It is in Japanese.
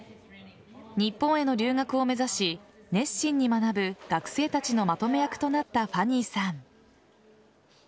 日本への留学を目指し熱心に学ぶ学生たちのまとめ役となったファニーさん。